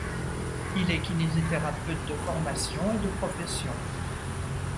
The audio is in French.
Il est kinésithérapeute de formation et de profession.